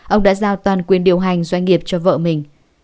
ông đã giao toàn quyền điều hành doanh nghiệp cho vợ mình